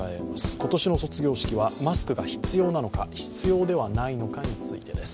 今年の卒業式はマスクが必要なのか、必要ではないのかについてです